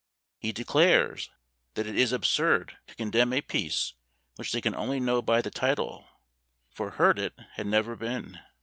He declares that it is absurd to condemn a piece which they can only know by the title, for heard it had never been!